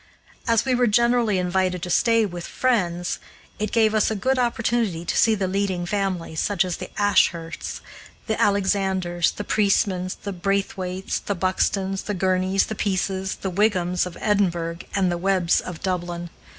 As we were generally invited to stay with Friends, it gave us a good opportunity to see the leading families, such as the Ashursts, the Alexanders, the Priestmans, the Braithwaites, and Buxtons, the Gurneys, the Peases, the Wighams of Edinburgh, and the Webbs of Dublin.